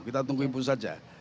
kita tunggu impuls saja